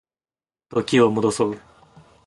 時を戻そう